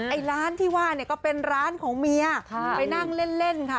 ไอ้ร้านที่ว่าเนี่ยก็เป็นร้านของเมียไปนั่งเล่นค่ะ